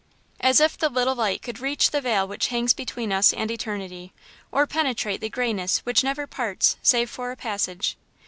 As if the little light could reach the veil which hangs between us and Eternity, or penetrate the greyness which never parts save for a passage!